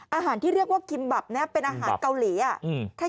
อาหารที่เรียกว่าคิมบับนี้เป็นอาหารเกาหลีอ่ะ